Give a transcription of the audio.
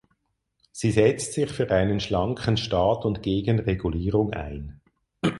Sie setzt sich für einen schlanken Staat und gegen Regulierung ein.